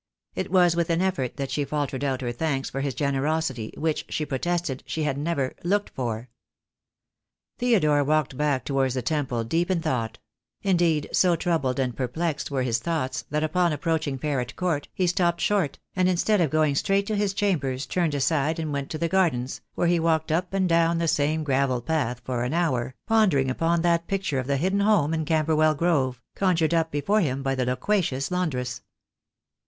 It was with an effort that she faltered out her thanks for his generosity, which, she protested, she had never "looked for." ,/ Theodore walked back towards the Temple deep in thought; indeed so troubled and perplexed were his THE DAY WILL COME. 77 thoughts that upon approaching Ferret Court he stopped short, and instead of going straight to his chambers turned aside and went to the Gardens, where he walked up and down the same gravel path for an hour, pondering upon that picture of the hidden home in Camberwell Grove, conjured up before him by the loquacious laundress.